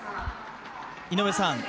◆井上さん。